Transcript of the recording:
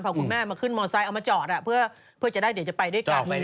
พอคุณแม่มาขึ้นมอไซค์เอามาจอดเพื่อจะได้เดี๋ยวจะไปด้วยกัน